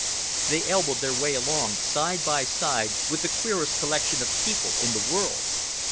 They elbowed their way along, side by side with the queerest collection of people in the world.